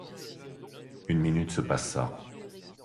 Une minute se passa.